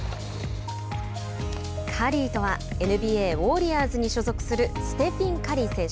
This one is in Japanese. カリーとはＮＢＡウォーリアーズに所属するステフィン・カリー選手。